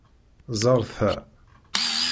Ẓer ta.